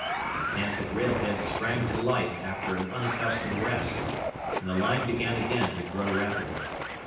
The camp at Railhead sprang to life after an unaccustomed rest, and the line began again to grow rapidly.